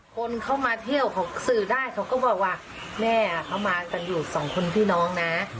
คนเข้ามาเที่ยวเขาสื่อได้เขาก็บอกว่าแม่เขามากันอยู่สองคนพี่น้องนะ